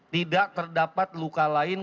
tidak terdapat luka lain